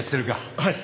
はい。